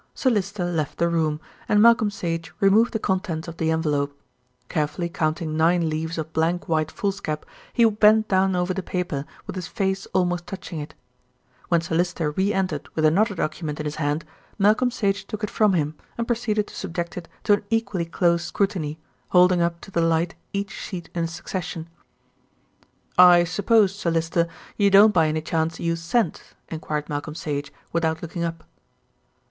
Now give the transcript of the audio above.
Sir Lyster left the room, and Malcolm Sage removed the contents of the envelope. Carefully counting nine leaves of blank white foolscap, he bent down over the paper, with his face almost touching it. When Sir Lyster re entered with another document in his hand Malcolm Sage took it from him and proceeded to subject it to an equally close scrutiny, holding up to the light each sheet in succession. "I suppose, Sir Lyster, you don't by any chance use scent?" enquired Malcolm Sage without looking up.